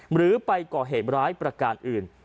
หรือไปก่อเหตุร้ายประการอื่น